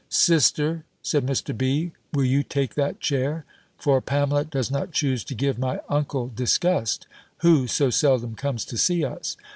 "Sister," said Mr. B., "will you take that chair; for Pamela does not choose to give my uncle disgust, who so seldom comes to see us."